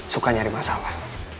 suka nyari masalah